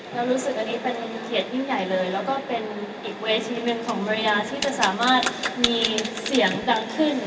แล้วรู้สึกว่านี่เป็นเหตุที่ยิ่งใหญ่เป็นอีกแบบที่จะสามารถมีเสียงดังขึ้น